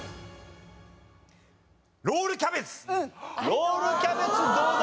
ロールキャベツどうだ？